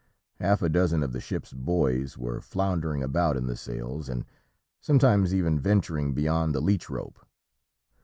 Half a dozen of the ship's boys were floundering about in the sails, and sometimes even venturing beyond the leech rope.